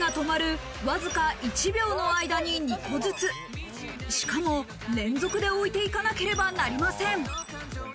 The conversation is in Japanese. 機械が止まるわずか１秒の間に２個ずつ、しかも連続で置いていかなければなりません。